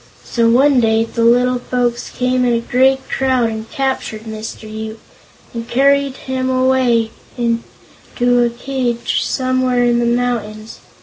So one day the little folks came in a great crowd and captured Mr. Yoop, and carried him away to a cage somewhere in the mountains.